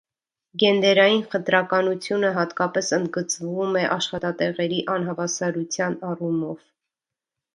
Գենդերային խտրականությունը հատկապես ընդգծվում է աշխատատեղերի անհավասարության առումով։